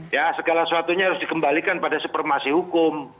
ya segala suatunya harus dikembalikan pada supermasih hukum